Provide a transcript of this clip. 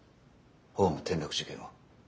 ホーム転落事件を。